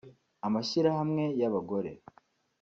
amashyirahamwe y’abagore